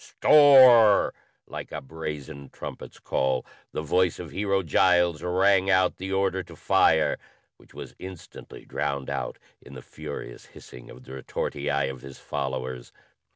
"Storr!" Like a brazen trumpet's call, the voice of Hero Giles rang out the order to fire which was instantly drowned out in the furious hissing of the retortii of his followers.